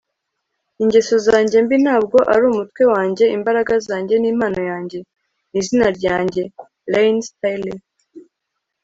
ingeso zanjye mbi ntabwo ari umutwe wanjye. imbaraga zanjye n'impano yanjye ni izina ryanjye. - layne staley